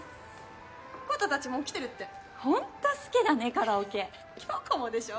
コータ達もう来てるってホント好きだねカラオケ恭子もでしょ？